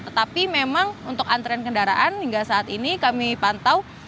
tetapi memang untuk antrean kendaraan hingga saat ini kami pantau